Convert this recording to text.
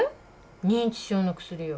認知症の薬よ。